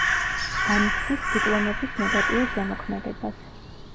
განიცდის ციკლონების ნეგატიურ ზემოქმედებას.